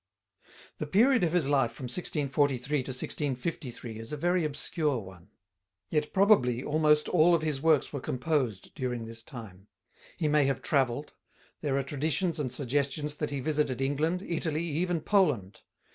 The period of his life from 1643 to 1653 is a very obscure one. Yet probably almost all of his works were composed during this time. He may have travelled; there are traditions and suggestions that he visited England, Italy, even Poland.